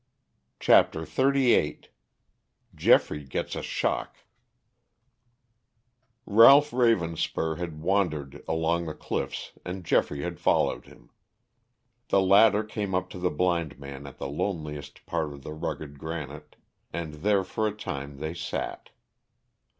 CHAPTER XXXVIII GEOFFREY GETS A SHOCK Ralph Ravenspur had wandered along the cliffs and Geoffrey had followed him. The latter came up to the blind man at the loneliest part of the rugged granite, and there for a time they sat.